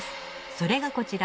それがこちら